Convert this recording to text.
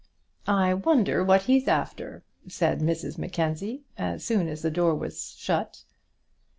"I wonder what he's after," said Mrs Mackenzie, as soon as the door was shut.